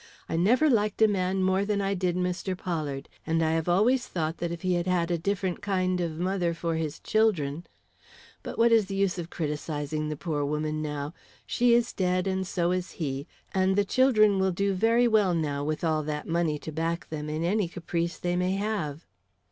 I never liked a man more than I did Mr. Pollard, and I have always thought that if he had had a different kind of mother for his children but what is the use of criticising the poor woman now. She is dead and so is he, and the children will do very well now with all that money to back them in any caprice they may have."